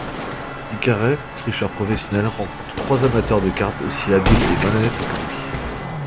Ikharev, tricheur professionnel rencontre trois amateurs de cartes aussi habiles et malhonnêtes que lui.